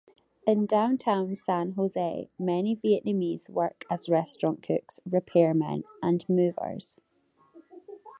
In downtown San Jose, many Vietnamese work as restaurant cooks, repairmen and movers.